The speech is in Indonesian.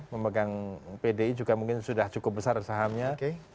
memegang pdi juga mungkin sudah cukup besar sahamnya